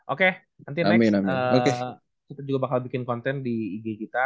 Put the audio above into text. oke nanti next kita juga bakal bikin konten di ig kita